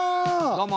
どうも。